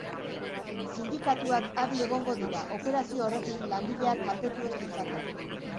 Sindikatuak adi egongo dira, operazio horrekin langileak kaltetu ez ditzaten.